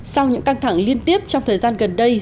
sau những căng thẳng liên tiếp trong thời gian gần đây